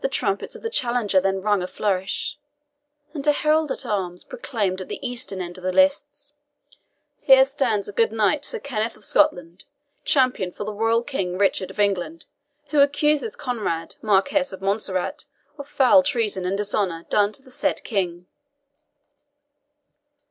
The trumpets of the challenger then rung a flourish, and a herald at arms proclaimed at the eastern end of the lists "Here stands a good knight, Sir Kenneth of Scotland, champion for the royal King Richard of England, who accuseth Conrade, Marquis of Montserrat, of foul treason and dishonour done to the said King."